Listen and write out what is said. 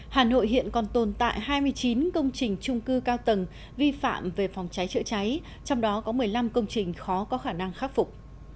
hà nội hiện còn tồn tại hai mươi chín công trình trung cư cao tầng vi phạm về phòng cháy chữa cháy trong đó có một mươi năm công trình khó có khả năng khắc phục